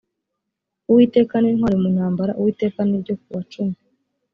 uwiteka ni intwari mu ntambara uwiteka ni ryo kuwacumi